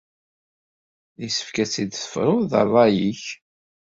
Yessefk ad tt-id-tefruḍ d ṛṛay-ik.